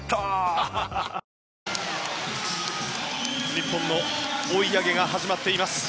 日本の追い上げが始まっています。